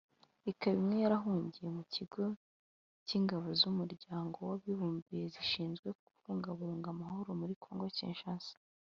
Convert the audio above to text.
ikaba imwe yarahungiye mu kigo cy’ingabo z’Umuryango w’Abibumbye zishinzwe kubungabunga amhoro muri Kongo Kinshasa